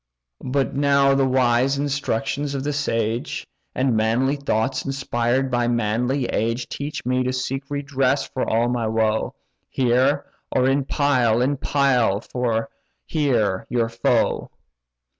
But now the wise instructions of the sage, And manly thoughts inspired by manly age, Teach me to seek redress for all my woe, Here, or in Pyle—in Pyle, or here, your foe.